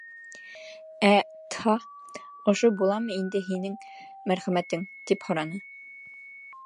Ә Тһа: «Ошо буламы инде һинең мәрхәмәтең?» — тип һораны.